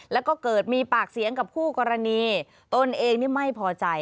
แล้วก็เกิดมีปากเสียงกับคู่กรณีตนเองนี่ไม่พอใจ